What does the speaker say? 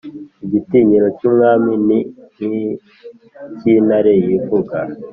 igitinyiro cy’umwami ni nk’icy’intare yivuga